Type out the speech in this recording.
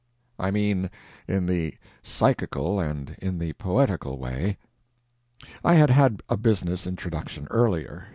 I mean, in the psychical and in the poetical way. I had had a business introduction earlier.